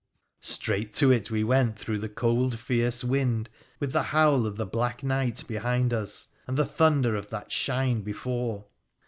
Straight to it we went through the cold, fierce wind, with the howl of the black night behind us, and the thunder of that shine before.